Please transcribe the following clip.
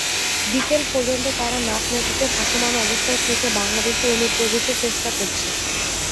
বিকেল পর্যন্ত তারা নাফ নদীতে ভাসমান অবস্থায় থেকে বাংলাদেশে অনুপ্রবেশের চেষ্টা করছে।